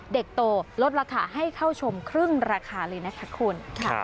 เด็กโตลดราคาให้เข้าชมครึ่งราคาเลยนะคะคุณ